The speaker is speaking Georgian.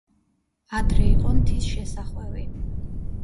ადრე იყო მთის შესახვევი.